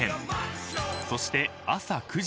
［そして朝９時］